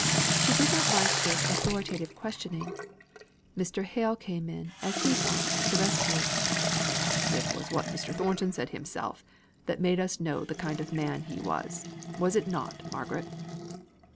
She did not like this authoritative questioning. Mr. Hale came in, as he thought, to the rescue. "It was what Mr. Thornton said himself, that made us know the kind of man he was. Was it not, Margaret?"